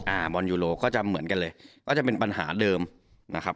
บอลยูโรก็จะเหมือนกันเลยก็จะเป็นปัญหาเดิมนะครับ